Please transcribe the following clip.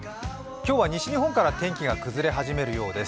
今日は西日本から天気が崩れ始めるようです。